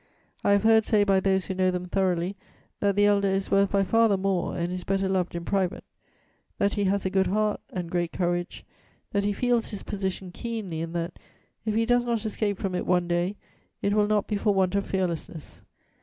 I have heard say by those who know them thoroughly that the elder is worth by far the more and is better loved in private; that he has a good heart and great courage; that he feels his position keenly and that, if he does not escape from it one day, it will not be for want of fearlessness.